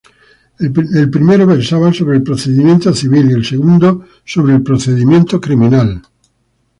El primero versaba sobre el procedimiento civil, y el segundo sobre el procedimiento criminal.